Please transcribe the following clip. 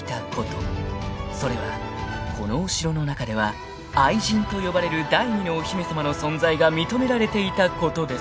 ［それはこのお城の中では「愛人」と呼ばれる第二のお姫様の存在が認められていたことです］